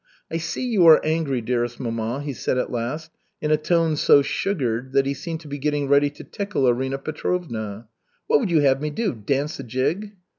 "I see you are angry, dearest mamma," he said at last in a tone so sugared that he seemed to be getting ready to tickle Arina Petrovna. "What would you have me do? Dance a jig?"